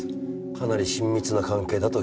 かなり親密な関係だと聞きましたよ